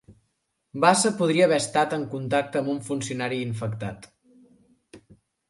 Bassa podria haver estat en contacte amb un funcionari infectat